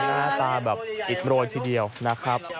หน้าตาแบบอิดโรยทีเดียวนะครับ